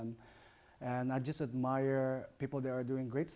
dan saya sangat mengagumi orang yang melakukan hal yang bagus